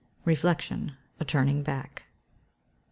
Reflection a turning back. 521.